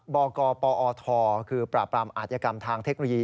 บกปอทคือปราบรามอาธิกรรมทางเทคโนโลยี